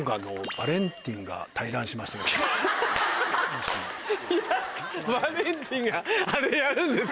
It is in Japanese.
バレンティンがあれやるんですか？